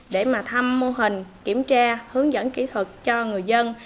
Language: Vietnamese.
để mà thăm mô hình kiểm tra hướng dẫn kỹ thuật cho người dân